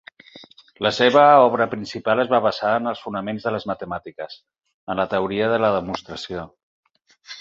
La seva obra principal es va basar en els fonaments de les matemàtiques, en la teoria de la demostració.